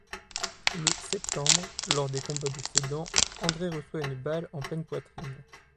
Le septembre, lors des combats de Sedan, André reçoit une balle en pleine poitrine.